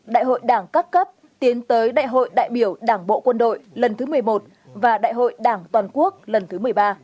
đại hội đảng các cấp tiến tới đại hội đại biểu đảng bộ quân đội lần thứ một mươi một và đại hội đảng toàn quốc lần thứ một mươi ba